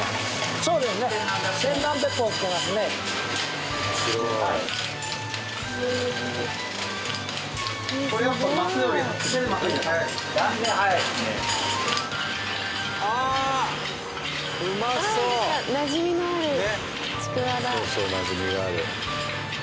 そうそうなじみがある。